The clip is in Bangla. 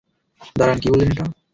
দাঁড়ান, কী বললেন এটা?